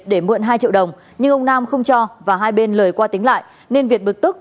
để mượn hai triệu đồng nhưng ông nam không cho và hai bên lời qua tính lại nên việt bực tức